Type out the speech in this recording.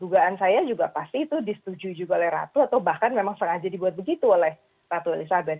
dugaan saya juga pasti itu disetujui juga oleh ratu atau bahkan memang sengaja dibuat begitu oleh ratu elizabeth